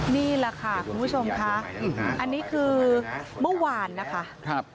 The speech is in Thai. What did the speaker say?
นี่แหละค่ะคุณผู้ชมค่ะอันนี้คือเมื่อวานนะคะ